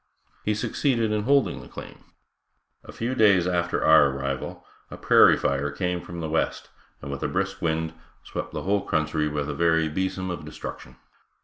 He succeeded in holding the claim. A few days after our arrival a prairie fire came from the west and with a brisk wind swept the whole country with a very besom of destruction.